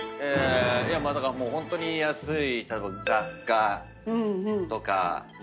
だからホントに安いたぶん雑貨とか。